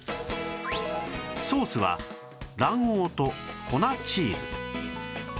ソースは卵黄と粉チーズ